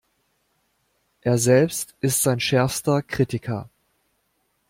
Er selbst ist sein schärfster Kritiker.